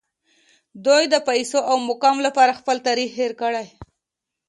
دوی د پیسو او مقام لپاره خپل تاریخ هیر کړی